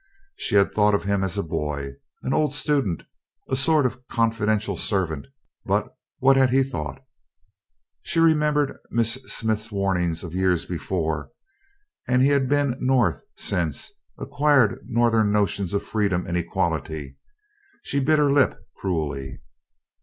She had thought of him as a boy an old student, a sort of confidential servant; but what had he thought? She remembered Miss Smith's warning of years before and he had been North since and acquired Northern notions of freedom and equality. She bit her lip cruelly.